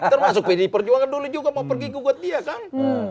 termasuk pdi perjuangan dulu juga mau pergi gugat dia kan